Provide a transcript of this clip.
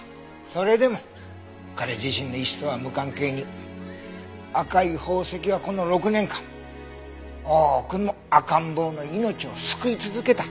それでも彼自身の意思とは無関係に赤い宝石はこの６年間多くの赤ん坊の命を救い続けた。